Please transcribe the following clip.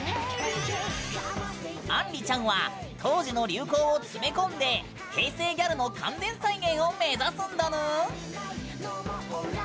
あんりちゃんは当時の流行を詰め込んで平成ギャルの完全再現を目指すんだぬん！